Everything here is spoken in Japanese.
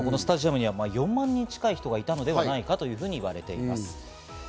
スタジアムには４万人近い人がいたのではないかといわれています。